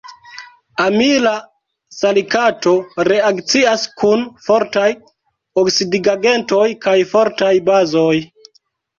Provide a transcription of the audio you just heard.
Amila salikato reakcias kun fortaj oksidigagentoj kaj fortaj bazoj.